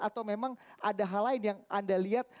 atau memang ada hal lain yang anda lihat